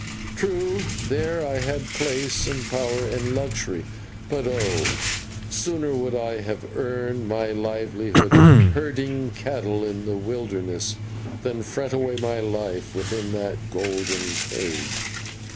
True, there I had place and power and luxury, but oh! sooner would I have earned my livelihood herding cattle in the wilderness than fret away my life within that golden cage.